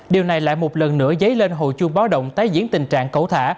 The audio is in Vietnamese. điều này lại một lần nữa dấy lên hộ chuông báo động tái diễn tình trạng cẩu thả